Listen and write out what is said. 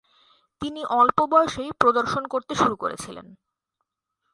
তিনি অল্প বয়সেই প্রদর্শন করতে শুরু করেছিলেন।